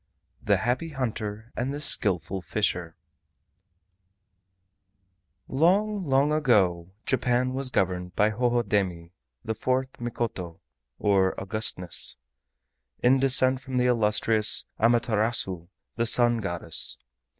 THE HAPPY HUNTER AND THE SKILLFUL FISHER Long, long ago Japan was governed by Hohodemi, the fourth Mikoto (or Augustness) in descent from the illustrious Amaterasu, the Sun Goddess.